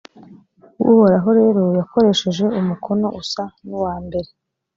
uhoraho rero, yakoresheje umukono usa n’uwa mbere,